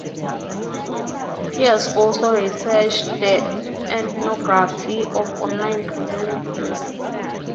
She has also researched the ethnography of online communities.